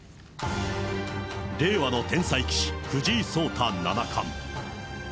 令和の天才棋士、藤井聡太七冠。